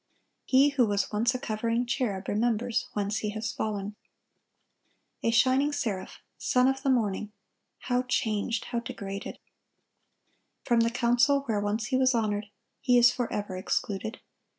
He who was once a covering cherub remembers whence he has fallen. A shining seraph, "son of the morning;" how changed, how degraded! From the council where once he was honored, he is forever excluded.